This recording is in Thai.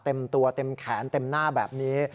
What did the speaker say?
เต็มตัวเต็มแขนเต็มหน้าแบบนี้